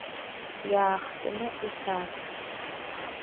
Иаахтны иҳәа.